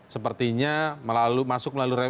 sepertinya masuk melalui